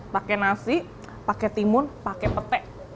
pakai nasi pakai timun pakai petai